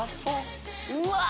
うわ！